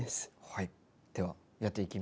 はい。